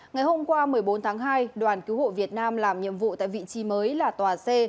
ngày hôm qua một mươi bốn tháng hai đoàn cứu hộ việt nam làm nhiệm vụ tại vị trí mới là tòa c